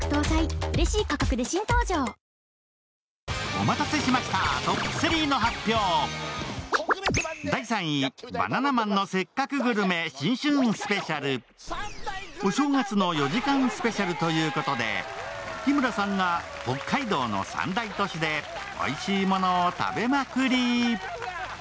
お待たせしましたお正月の４時間スペシャルということで日村さんが北海道の三大都市でおいしいものを食べまくり